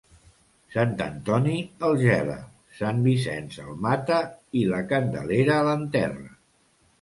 Sant Antoni el gela, Sant Vicenç el mata i la Candelera l'enterra.